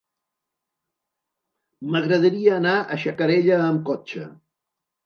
M'agradaria anar a Xacarella amb cotxe.